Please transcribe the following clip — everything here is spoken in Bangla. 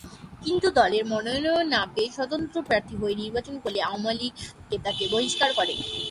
কিন্তু দলের মনোনয়ন না পেয়ে স্বতন্ত্র প্রার্থী হয়ে নির্বাচন করলে আওয়ামী লীগ থেকে তাকে বহিস্কার করে।